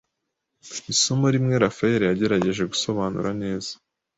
isomo rimwe Raphael yagerageje gusobanura neza